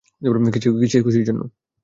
কীসের খুশির জন্য?